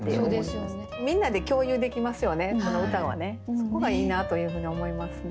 そこがいいなというふうに思いますね。